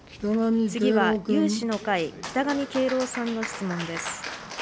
次は有志の会、北神圭朗さんの質問です。